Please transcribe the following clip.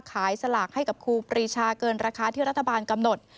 สลากให้กับครูปรีชาเกินราคาที่รัฐบาลกำหนด